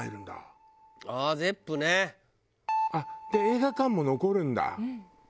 映画館も残るんだ。